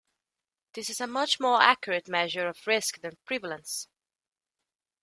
This is a much more accurate measure of risk than prevalence.